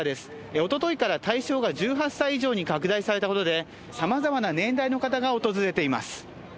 おとといから対象が１８歳以上に拡大されたことで、さまざまな年代の方が訪れています。